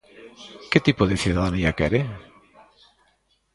Que tipo de cidadanía quere?